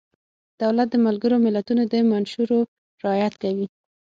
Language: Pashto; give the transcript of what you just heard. دولت د ملګرو ملتونو د منشورو رعایت کوي.